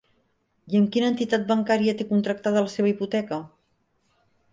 I amb quina entitat bancària té contractada la seva hipoteca?